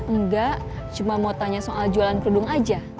enggak cuma mau tanya soal jualan kerudung aja